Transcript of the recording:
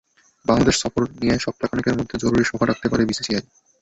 বাংলাদেশ সফর নিয়ে সপ্তাহ খানেকের মধ্যে জরুরি সভা ডাকতে পারে বিসিসিআই।